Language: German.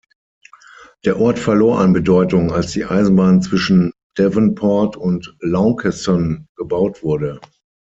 Der Ort verlor an Bedeutung, als die Eisenbahn zwischen Devonport und Launceston gebaut wurde.